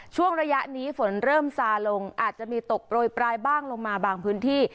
ช่วงระยะนี้ฝนเริ่มซาลงอาจจะมีตกโปรยปลายบ้างลงมาบางพื้นที่